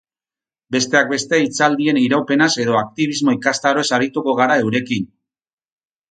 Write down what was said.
Besteak beste hitzaldien iraupenaz edo aktibismo ikastaroez arituko gara eurekin.